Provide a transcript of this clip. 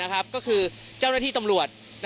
ก็คือเจ้าหน้าที่ตำรวจ